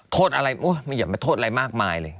โทษอะไรไม่อย่ามาโทษอะไรมากมายเลย